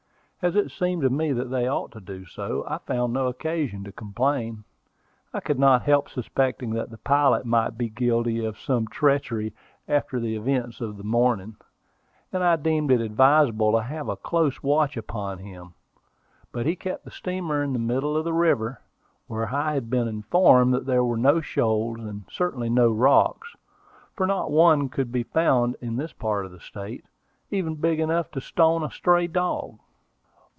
As it seemed to me that they ought to do so, I found no occasion to complain. I could not help suspecting that the pilot might be guilty of some treachery, after the events of the morning, and I deemed it advisable to have a close watch upon him. But he kept the steamer in the middle of the river, where I had been informed there were no shoals; and certainly no rocks, for not one could be found in this part of the state, even big enough to stone a stray dog.